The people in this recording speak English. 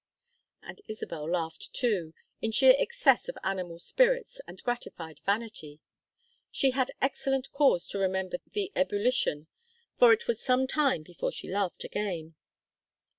And Isabel laughed, too, in sheer excess of animal spirits and gratified vanity. She had excellent cause to remember the ebullition, for it was some time before she laughed again.